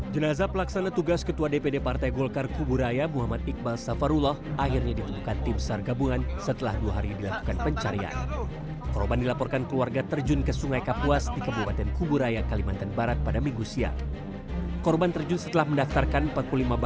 jangan lupa like share dan subscribe channel ini